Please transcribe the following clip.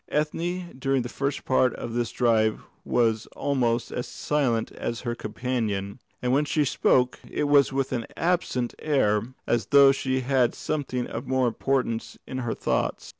Ethne during the first part of this drive was almost as silent as her companion; and when she spoke, it was with an absent air, as though she had something of more importance in her thoughts.